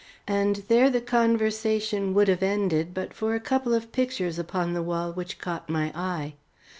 And there the conversation would have ended but for a couple of pictures upon the wall which caught my eye.